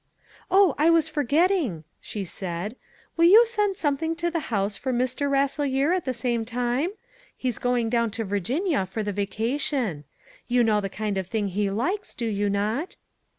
"Oh, I was forgetting," she said. "Will you send something to the house for Mr. Rasselyer at the same time? He's going down to Virginia for the vacation. You know the kind of thing he likes, do you not?"